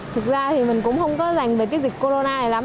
thực ra thì mình cũng không có dành về cái dịch corona này lắm